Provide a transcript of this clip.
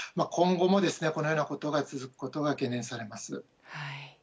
今後も、このようなことが続くことが懸念されます。